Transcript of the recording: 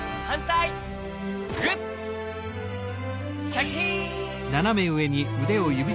シャキーン！